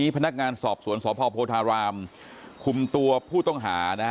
พนักงานสอบสวนสพโพธารามคุมตัวผู้ต้องหานะฮะ